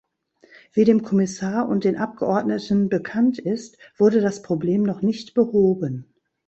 Wie dem Kommissar und den Abgeordneten bekannt ist, wurde das Problem noch nicht behoben.